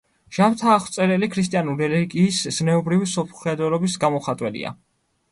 ჟამთააღმწერელი ქრისტიანული რელიგიის ზნეობრივი მსოფლმხედველობის გამომხატველია.